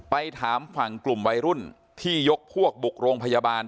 ไปถามฝั่งกลุ่มวัยรุ่นที่ยกพวกบุกโรงพยาบาล